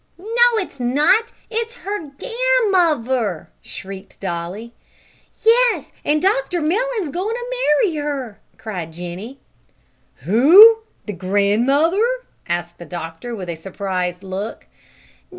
"No, it's not it's her gan muver," shrieked Dolly. "Yes, an' Dr Mellon's going to marry her," cried Jenny. "Who? the grandmother?" asked the doctor, with a surprised look.